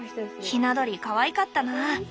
ひな鳥かわいかったな。